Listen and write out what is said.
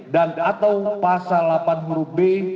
dan atau pasal delapan huruf b